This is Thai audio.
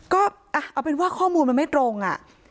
ก็เอาเป็นว่าข้อมูลมันไม่ตรง